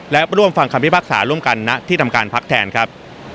และร่วมฟังคำพิพากษาร่วมกันณที่ทำการพักแทนครับ